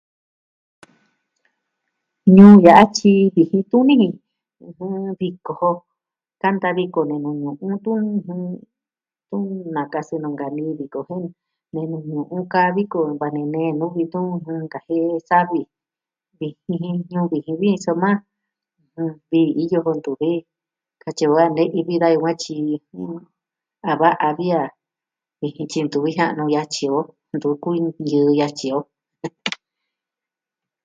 Nuu ya'a tyi vijin tuni i. ɨjɨn, viko jo. Kanta viko nu nuu ñu'un tun. Nakasɨ nuu nkanii viko jen, nee nuu ñu'un kaa viko kuaa ne nee nuvi tun nkajie'e savi. Vijin jen, ñuu vijin vi soma vi iyo kuun tun ve, katyi va ne'in vi da yukuan tyi a va'a a vi a vijin tyi ntu vi ja nuu yatyi o. Ntu kuiin yɨɨ yatyi o.